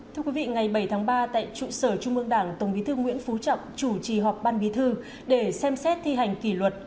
thưa quý vị ngày bảy tháng ba tại trụ sở trung mương đảng tổng bí thư nguyễn phú trọng chủ trì họp ban bí thư để xem xét thi hành kỷ luật